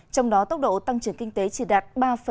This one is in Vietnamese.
trong đó tốc độ tăng trưởng kinh tế chỉ đạt ba sáu mươi chín